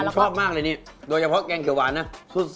ชอบมากเลยนี่โดยเฉพาะแกงเขียวหวานนะ